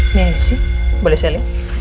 ini aja sih boleh saya liat